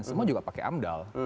semua juga pakai amdal